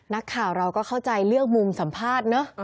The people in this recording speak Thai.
นักข่าวเราก็เข้าใจเลือกมุมสัมภาษณ์เนอะ